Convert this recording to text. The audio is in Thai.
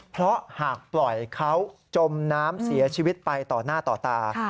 เพราะหากปล่อยเขาจมน้ำเสียชีวิตไปต่อหน้าต่อตา